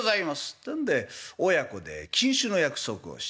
ってんで親子で禁酒の約束をした。